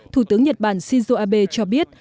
thủ tướng nhật bản shinzo abe cho biết